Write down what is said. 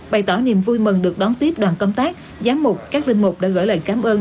bày tỏ niềm vui mừng được đón tiếp đoàn công tác giám mục các linh mục đã gửi lời cảm ơn